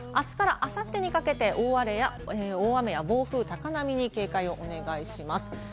あすからあさってにかけて大雨や暴風・高波に警戒をお願いします。